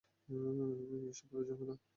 এই শালারা ঝামেলা।